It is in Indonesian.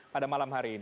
pada malam hari ini